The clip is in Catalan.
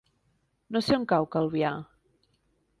No sé on cau Calvià.